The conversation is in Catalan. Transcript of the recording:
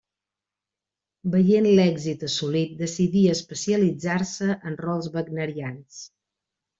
Veient l'èxit assolit decidí especialitzar-se en rols wagnerians.